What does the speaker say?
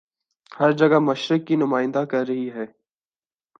ہر جگہ مشرق کی نمائندہ کرہی ہیں